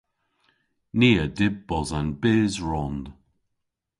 Ni a dyb bos an bys rond.